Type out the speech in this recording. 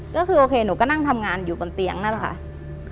ก็คือโอเคหนูก็นั่งทำงานอยู่บนเตียงนั่นแหละค่ะ